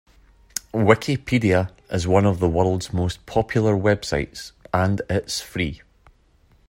Wikipedia is one of the world's most popular websites, and it's free!